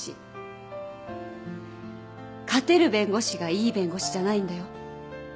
勝てる弁護士がいい弁護士じゃないんだよ。